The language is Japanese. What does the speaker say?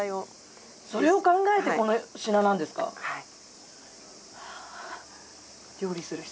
はい。